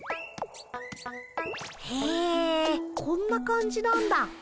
へえこんな感じなんだ。